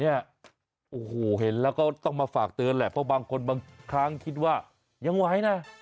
โอ้โหเห็นแล้วก็ต้องมาฝากเตือนแหละเพราะบางคนบางครั้งคิดว่ายังไหวนะ